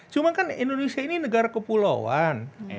cuma kan indonesia ini negara kepulauan